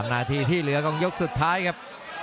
นาทีที่เหลือของยกสุดท้ายครับ